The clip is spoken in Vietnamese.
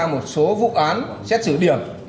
một số vụ án xét xử điểm